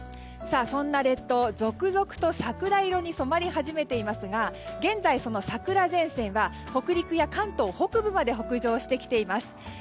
そんな列島、続々と桜色に染まり始めていますが現在、桜前線は北陸や関東北部まで北上しています。